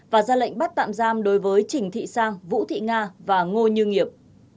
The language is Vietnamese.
và ra lệnh bắt tạm giam đối với trình thị sang vũ thị nga và ngô như nghiệp